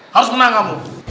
harus menang kamu